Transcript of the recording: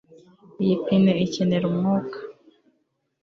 iyi pine ikenera umwuka